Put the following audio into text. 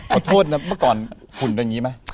ขอโทษนะเมื่อก่อนหุ่นเป็นอย่างนี้ไหม